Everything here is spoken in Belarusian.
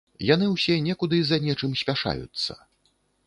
Яны ўсе некуды за нечым спяшаюцца.